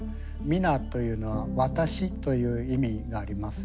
「ミナ」というのは「私」という意味があります。